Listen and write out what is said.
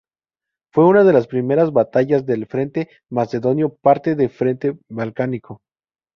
Fue una de las primeras batallas del frente macedonio, parte del frente balcánico.